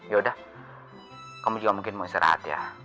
yaudah kamu juga mungkin mau istirahat ya